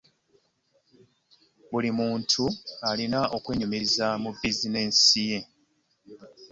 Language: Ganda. buli muntu alina okwenyumiriza mu bizineesi ye.